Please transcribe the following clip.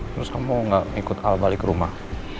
terus kamu gak ikut al balik ke rumah